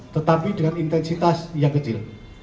tetapi dengan intensitas yang kecil